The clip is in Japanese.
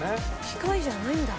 機械じゃないんだ。